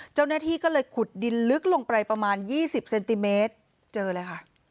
เจ้าหน้าที่ก็เลยขุดดินลึกลงไปประมาณ๒๐เซนติเมตรเจอเลยค่ะ